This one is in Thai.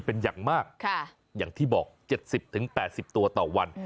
เป็นอย่างมากค่ะอย่างที่บอกเจ็ดสิบถึงแปดสิบตัวต่อวัน